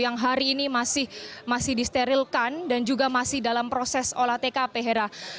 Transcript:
yang hari ini masih disterilkan dan juga masih dalam proses olah tkp hera